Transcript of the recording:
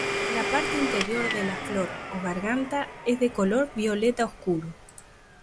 La parte interior de la flor o garganta es de color violeta oscuro.